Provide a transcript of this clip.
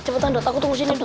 cepetan dut aku tunggu sini dut